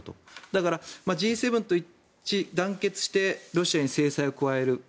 だから、Ｇ７と一致団結してロシアに制裁を加える。